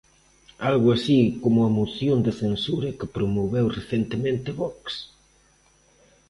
Algo así como a moción de censura que promoveu recentemente Vox?